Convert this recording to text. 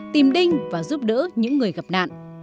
tìm đinh và giúp đỡ những người gặp nạn